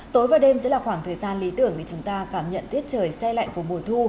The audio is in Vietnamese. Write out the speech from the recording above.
tối và đêm sẽ là khoảng thời gian lý tưởng để chúng ta cảm nhận tiết trời xe lạnh của mùa thu